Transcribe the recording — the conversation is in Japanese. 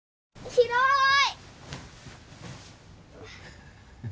広い！